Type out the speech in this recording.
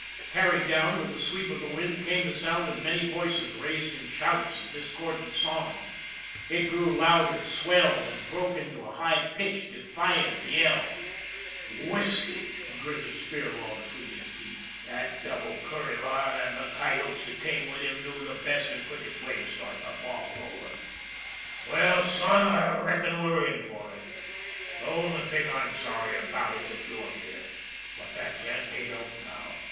Carried down with the sweep of the wind came the sound of many voices raised in shouts and discordant song. It grew louder, swelled, and broke into a high pitched, defiant yell. " Whisky !" gritted Spirlaw between his teeth. 146 ON THE IRON AT BIG CLOUD " That devil Kuryla and the coyotes that came with him knew the best an' quickest way to start the ball rollin'. Well, son, I reckon we're in for it. The only thing I'm sorry about is that you're here ; but that can't be helped now.